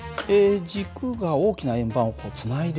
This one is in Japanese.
軸が大きな円盤をつないでいるだけ。